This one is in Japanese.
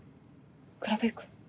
クラブ行く？